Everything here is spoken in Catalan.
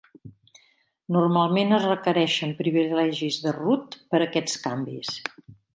Normalment es requereixen privilegis de root per a aquests canvis.